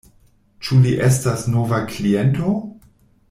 Ĉu li estas nova kliento?